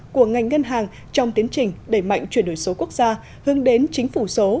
của ngành ngân hàng trong tiến trình đẩy mạnh chuyển đổi số quốc gia hướng đến chính phủ số